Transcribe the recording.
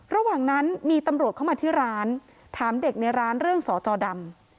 ระหว่างนั้นมีตำรวจเข้ามาที่ร้านถามเด็กในร้านเรื่องสอจอดำ